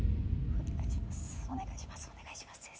先生お願いします。